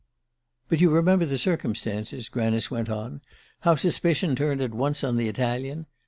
"But you remember the circumstances," Granice went on; "how suspicion turned at once on the Italian?